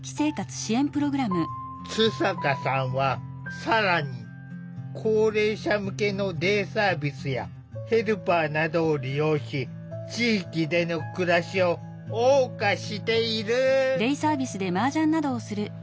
津坂さんは更に高齢者向けのデイサービスやヘルパーなどを利用し地域での暮らしをおう歌している。